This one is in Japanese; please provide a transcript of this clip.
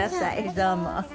どうも。